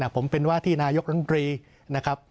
ผมเป็นว่าที่นายกรัฐมนตรีนะครับ